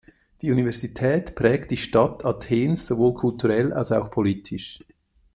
Die Universität prägt die Stadt Athens sowohl kulturell als auch politisch.